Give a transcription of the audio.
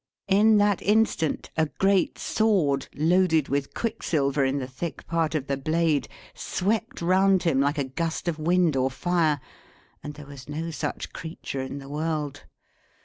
In that instant, a great sword (loaded with quicksilver in the thick part of the blade) swept round him like a gust of wind or fire, and there was no such creature in the world.